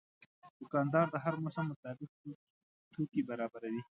دوکاندار د هر موسم مطابق توکي برابروي.